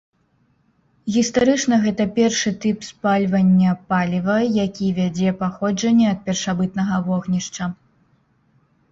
Гістарычна гэта першы тып спальвання паліва, які вядзе паходжанне ад першабытнага вогнішча.